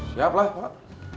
siap lah pak